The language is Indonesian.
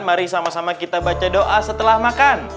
mari sama sama kita baca doa setelah makan